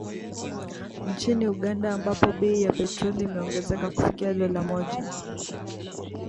Nchini Uganda, ambapo bei ya petroli imeongezeka kufikia dola moja